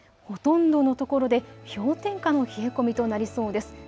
ほとんどのところで氷点下の冷え込みとなりそうです。